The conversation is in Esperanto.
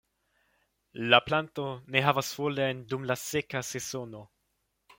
La planto ne havas foliojn dum la seka sezono.